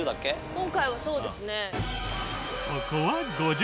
今回はそうですね。